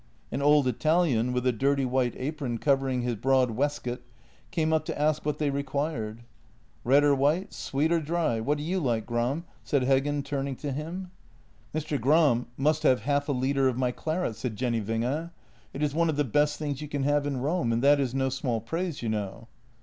An old Italian, with a dirty white apron covering his broad waistcoat, came up to ask what they required. " Red or white, sweet or dry, what do you like, Gram? " said Heggen, turning to him. " Mr. Gram must have half a litre of my claret," said Jenny Winge. "It is one of the best things you can have in Rome, and that is no small praise, you know."